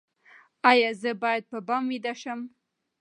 ایا زه باید په بام ویده شم؟